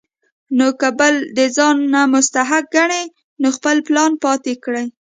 خو کۀ بل د ځان نه مستحق ګڼي نو خپل پلان پاتې کړي ـ